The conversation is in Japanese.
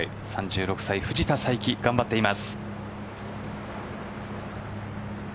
３６歳、藤田さいき頑張っています。